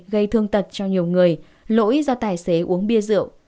gây thương tật cho nhiều người lỗi do tài xế uống bia rượu